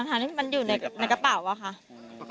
ติดใจตรงที่ว่ามันรั้นไปได้ยังไงทางมันอยู่ในกระเป๋าอะค่ะ